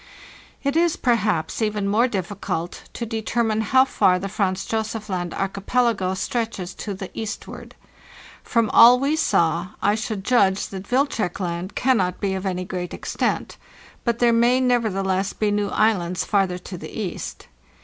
It is, perhaps, even more difficult to determine how far the Franz Josef Land archipelago stretches to the eastward. From all we saw, I should judge that Wilczek Land cannot be of any great extent; but there may nevertheless be new islands farther to the east.